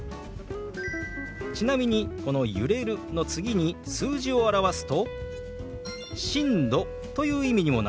ちなみにこの「揺れる」の次に数字を表すと「震度」という意味にもなりますよ。